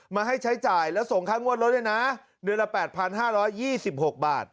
มาให้ใช้จ่ายแล้วส่งค่างวดรถด้วยนะเดือนละ๘๕๒๖บาท